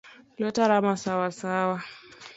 Lueta rama Sawa sawa.